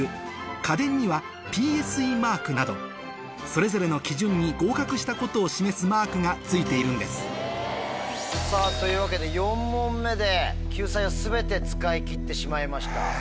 それぞれの基準に合格したことを示すマークが付いているんですというわけで４問目で救済は全て使い切ってしまいました。